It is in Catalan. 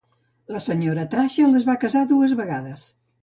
La Sra. Traxel es va casar dues vegades.